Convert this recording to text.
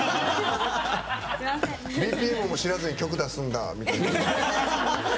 ＢＰＭも知らずに曲出すんだみたいな。